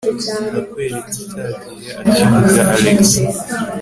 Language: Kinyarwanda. nakweretse cyagihe akivuga alex